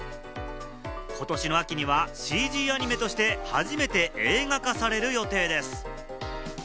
ことしの秋にはＣＧアニメとして初めて映画化される予定です。